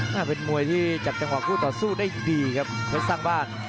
เป็นมวยที่จับจังหวะคู่ต่อสู้ได้ดีครับเพชรสร้างบ้าน